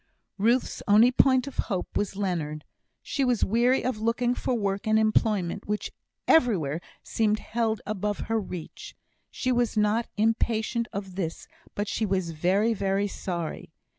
Ruth's only point of hope was Leonard. She was weary of looking for work and employment, which everywhere seemed held above her reach. She was not impatient of this, but she was very, very sorry.